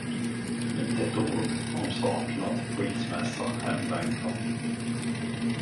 Inte ett ord om saknad, skilsmässa, hemlängtan.